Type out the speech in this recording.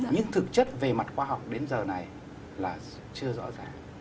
nhưng thực chất về mặt khoa học đến giờ này là chưa rõ ràng